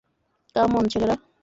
কাম on, ছেলেরা।